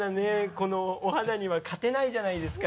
このお肌には勝てないじゃないですか